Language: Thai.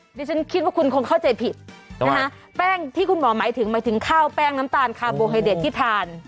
ดิฉันคิดว่าคุณคงเข้าใจผิดนะคะแป้งที่คุณหมอหมายถึงหมายถึงข้าวแป้งน้ำตาลคาร์โบไฮเด็ดที่ทาน